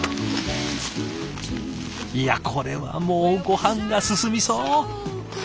いやこれはもうごはんが進みそう！